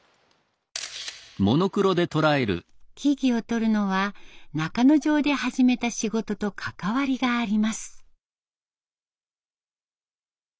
木々を撮るのは中之条で始めた仕事と関わりがあります。